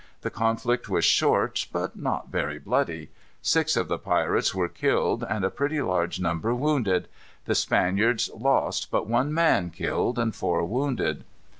The conflict was short, but not very bloody. Six of the pirates were killed, and a pretty large number wounded. The Spaniards lost but one man killed and four wounded.